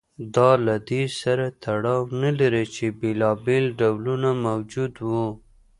دا له دې سره تړاو نه لري چې بېلابېل ډولونه موجود و